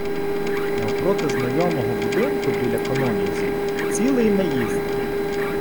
Навпроти знайомого будинку біля конов'язі - цілий наїзд.